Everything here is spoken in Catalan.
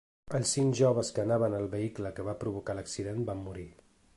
Els cinc joves que anaven al vehicle que va provocar l’accident van morir.